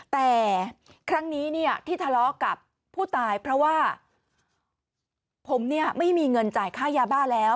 แต่ครั้งนี้เนี่ยที่ทะเลาะกับผู้ตายเพราะว่าผมเนี่ยไม่มีเงินจ่ายค่ายาบ้าแล้ว